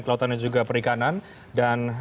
kelautan dan juga perikanan dan